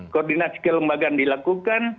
koordinasi kelembagaan dilakukan